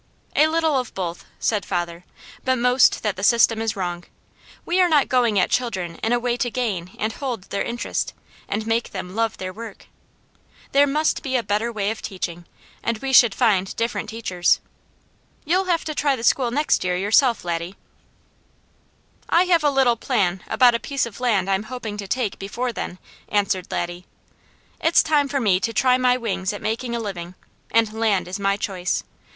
"A little of both," said father, "but most that the system is wrong. We are not going at children in a way to gain and hold their interest, and make them love their work. There must be a better way of teaching, and we should find different teachers. You'll have to try the school next year yourself, Laddie." "I have a little plan about a piece of land I am hoping to take before then," answered Laddie. "It's time for me to try my wings at making a living, and land is my choice.